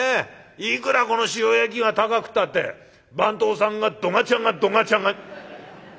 いくらこの塩焼きが高くったって番頭さんがどがちゃがどがちゃが」。